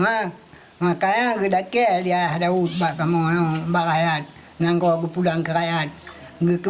mereka menggunakan kain untuk menghidupkan anak anak mereka